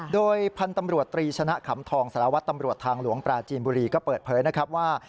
โดยพันธุ์ตำรวจตรีชนะขำทองสารวัตรตำรวจทางหลวงปราจีนบุรีก็เปิดเผยนะครับว่า